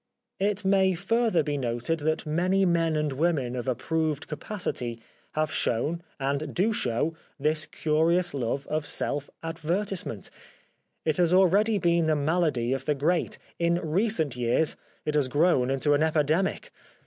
It may further L i6i The Life of Oscar Wilde be noted that many men and women of ap proved capacity have shown and do show this curious love of self advertisement. It has al ways been the malady of the great ; in recent years it has grown into an epidemic.